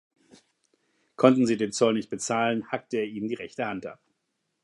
Konnten sie den Zoll nicht bezahlen, hackte er ihnen die rechte Hand ab.